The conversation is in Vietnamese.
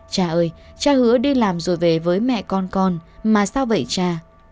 cha ơi cha hứa đi làm rồi về với mẹ con con mà sao vậy cha